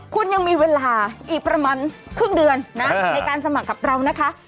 คุณยังมีเวลาอีกประมาณครึ่งเดือนนะในการสมัครกับเรานะคะ